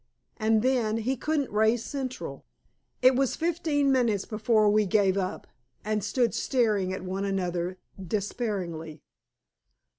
And then he couldn't raise Central. It was fifteen minutes before we gave up, and stood staring at one another despairingly.